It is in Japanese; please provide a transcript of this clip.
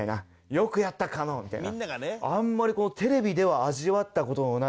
「よくやった狩野」みたいな。